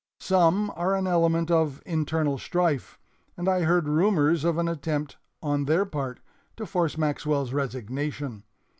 Some are an element of internal strife, and I heard rumors of an attempt on their part to force Maxwell's resignation.